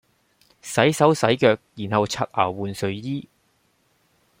洗手洗腳然後刷牙換睡衣